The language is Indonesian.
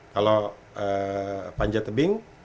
kalau panjat tebing